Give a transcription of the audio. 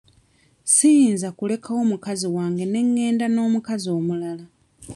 Siyinza kulekawo mukazi wange ne ngenda n'omukazi omulala.